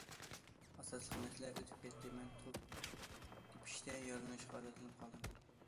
ئاساسلىق مەسىلە ئۆتۈپ كەتتى، مەن توپ تېپىشتە يارىلىنىشقا ئادەتلىنىپ قالدىم.